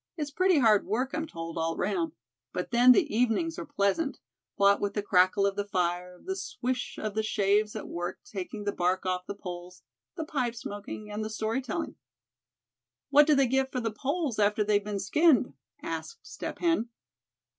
It's pretty hard work, I'm told, all around; but then the evenings are pleasant, what with the crackle of the fire; the swish of the shaves at work taking the bark off the poles; the pipe smoking; and the story telling." "What do they get for the poles after they've been skinned?" asked Step Hen.